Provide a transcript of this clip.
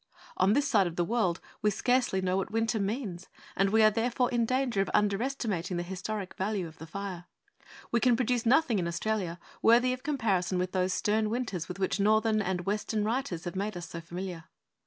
On this side of the world we scarcely know what winter means, and we are therefore in danger of underestimating the historic value of the fire. We can produce nothing in Australia worthy of comparison with those stern winters with which Northern and Western writers have made us so familiar.